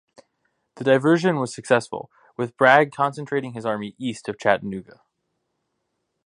The diversion was successful, with Bragg concentrating his army east of Chattanooga.